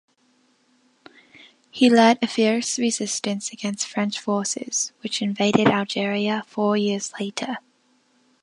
He led a fierce resistance against French forces, which invaded Algeria four years later.